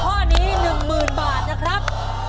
ถ้าถูกข้อนี้หนึ่งหมื่นบาทนะครับ